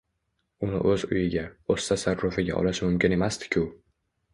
Uni o'z uyiga, o'z tasarrufiga olishi mumkin emasdi-ku?!